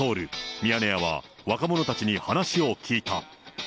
ミヤネ屋は、若者たちに話を聞いた。